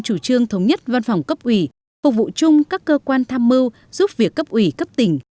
chủ trương thống nhất văn phòng cấp ủy phục vụ chung các cơ quan tham mưu giúp việc cấp ủy cấp tỉnh